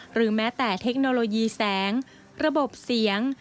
หรือแม้แต่เทคโนโลยีแสงระบบเสียง